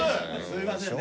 すいません。